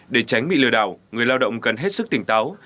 để tránh bị lừa đảo người lao động cần hết sức tỉnh táo